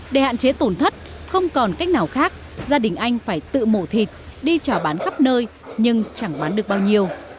để hạn chế tổn thất không còn cách nào khác gia đình anh phải tự mổ thịt đi trả bán khắp nơi nhưng chẳng bán được bao nhiêu